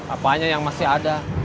apanya yang masih ada